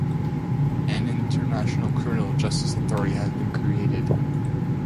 An international criminal justice authority has been created.